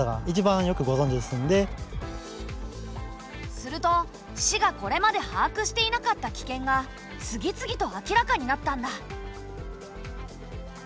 すると市がこれまで把握していなかった危険が次々と明らかになったんだ。